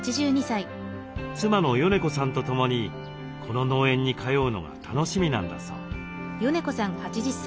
妻のヨネ子さんとともにこの農園に通うのが楽しみなんだそう。